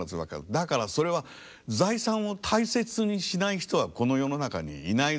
だからそれは財産を大切にしない人はこの世の中にいないぞ。